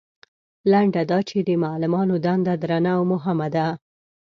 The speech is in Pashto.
لنډه دا چې د معلمانو دنده درنه او مهمه ده.